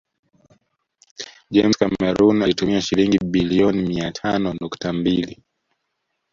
James Cameroon alitumia Shilingi biliono mia tano nukta mbili